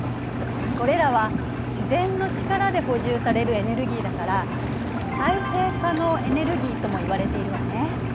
これらは自然の力で補充されるエネルギーだから再生可能エネルギーとも言われているわね。